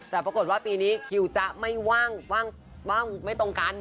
แต่ปรากฏว่าปีนี้คิวจะไม่ว่างไม่ตรงกัน